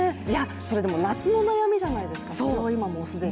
それでも夏の悩みじゃないですか、それもう既に。